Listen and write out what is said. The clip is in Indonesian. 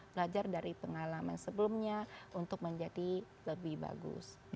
belajar dari pengalaman sebelumnya untuk menjadi lebih bagus